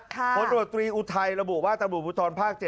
ค้นโรตรีอุทัยระบุว่าตำรวจบุตรภาค๗